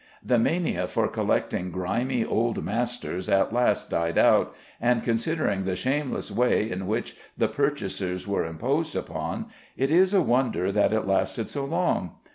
The mania for collecting grimy old masters at last died out, and considering the shameless way in which the purchasers were imposed upon, it is a wonder that it lasted so long.